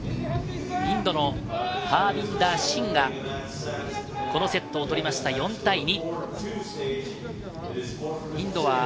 インドのハービンダー・シンがこのセットを取りました、４対２。